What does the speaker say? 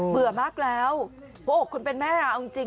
เบื่อมากแล้วโอ้คุณเป็นแม่อ่ะเอาจริง